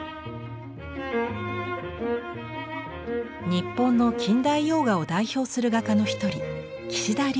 日本の近代洋画を代表する画家の一人岸田劉生。